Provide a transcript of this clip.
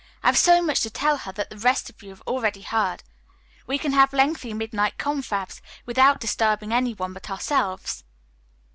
"I have so much to tell her that the rest of you have already heard. We can have lengthy midnight confabs without disturbing any one but ourselves."